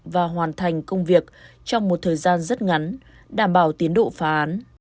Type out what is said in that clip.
và hoàn thành công việc trong một thời gian rất ngắn đảm bảo tiến độ phá án